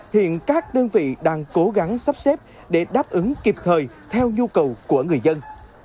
hiện các đơn vị đang cố gắng sắp xếp để đáp ứng kịp thời theo nhu cầu của người dân